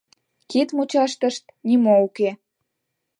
Кид мучаштышт нимо уке.